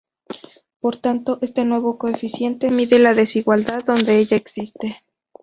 Por tanto, este nuevo coeficiente mide la desigualdad donde ella existe.